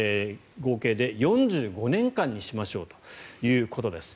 合計で４５年間にしましょうということです。